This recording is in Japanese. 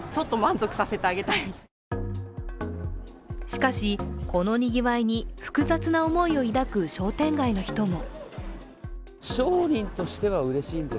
しかし、このにぎわいに複雑な思いを抱く商店街の人も。